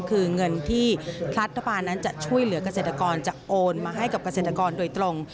คือเงินที่รัฐบาลนั้นจะช่วยเหลือกเกษตรกรจะโอนมาให้กับเกษตรกรโดยตรง